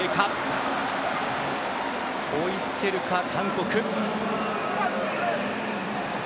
追いつけるか、韓国。